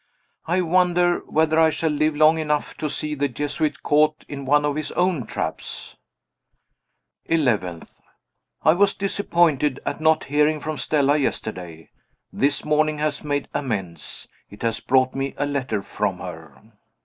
I wonder whether I shall live long enough to see the Jesuit caught in one of his own traps? 11th. I was disappointed at not hearing from Stella, yesterday. This morning has made amends; it has brought me a letter from her.